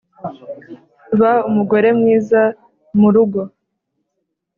ba umugore mwiza mu rugo